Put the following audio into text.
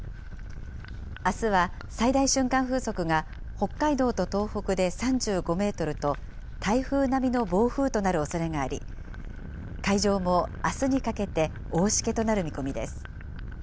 あすは最大瞬間風速が北海道と東北で３５メートルと、台風並みの暴風となるおそれがあり、海上もあすにかけて大しけとなる見込みです。